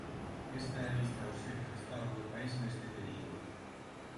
Esta é a lista dos xefes de estado do país neste período.